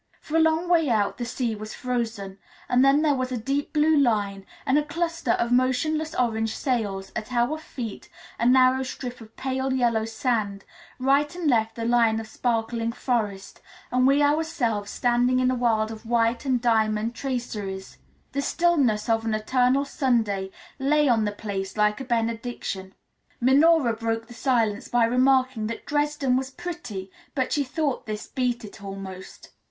For a long way out the sea was frozen, and then there was a deep blue line, and a cluster of motionless orange sails; at our feet a narrow strip of pale yellow sand; right and left the line of sparkling forest; and we ourselves standing in a world of white and diamond traceries. The stillness of an eternal Sunday lay on the place like a benediction. Minora broke the silence by remarking that Dresden was pretty, but she thought this beat it almost.